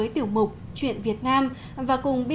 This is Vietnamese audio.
trong nhiều quốc gia